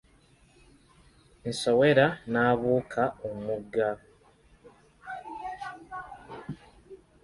Nsowera n'abuuka omugga.